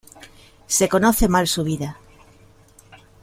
Se conoce mal su vida.